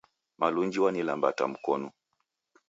Malunji wanilambata mkonu